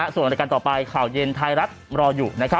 ส่วนรายการต่อไปข่าวเย็นไทยรัฐรออยู่